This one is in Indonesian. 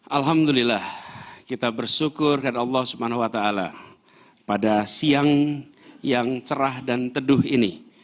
alhamdulillah kita bersyukur kepada allah swt pada siang yang cerah dan teduh ini